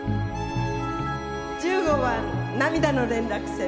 １５番「涙の連絡船」。